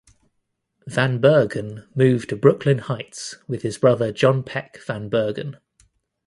Van Bergen moved to Brooklyn Heights with his brother John Peck Van Bergen.